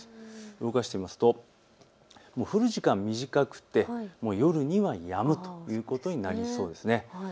動かしてみますと、降る時間は短くて夜にはやむということになりそうです。